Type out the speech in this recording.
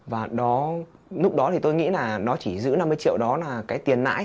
và lúc đó thì tôi nghĩ là nó chỉ giữ năm mươi triệu đó là cái tiền nãi